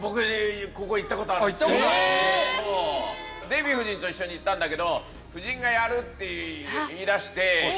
デヴィ夫人と一緒に行ったんだけど夫人が。って言いだして。